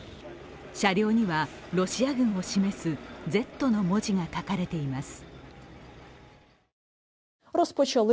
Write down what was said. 車両には、ロシア軍を示すＺの文字が書かれています。